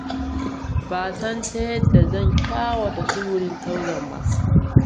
Ba san ta yadda zan ƙawata tsuburin Thousand ba.